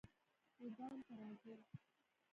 وبام ته راځی